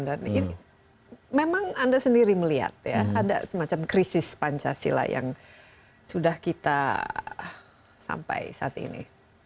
dan ini memang anda sendiri melihat ya ada semacam krisis pancasila yang sudah kita sampai saat ini